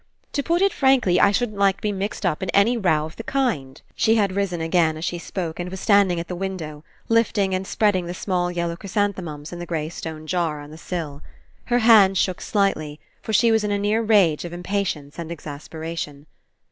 To put it frankly, I shouldn't like to be mixed up in any row of the kind." She had risen again as she spoke and was standing at the window lifting and spreading the small yellow chrysan themums in the grey stone jar on the sill. Her hands shook slightly, for she was in a near rage of impatience and exasperation.